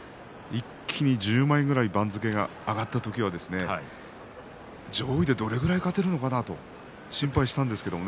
一気に１０枚くらい番付が上がった時は上位でどれぐらい勝てるのかなと心配したんですけれどもね。